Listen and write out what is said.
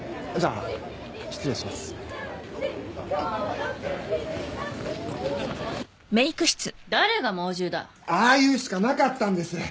ああ言うしかなかったんです！